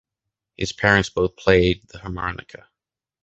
His parents both played the harmonica.